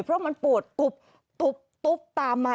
เพราะมันปวดตุบตุ๊บตุ๊บตามมา